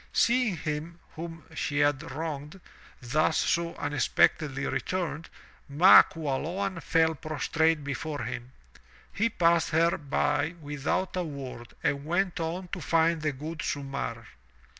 Seeing him, whom she had wronged, thus so unexpectedly returned, Ma Qualoan fell prostrate before him. He passed her by without a word and went on to find the good Sumarr.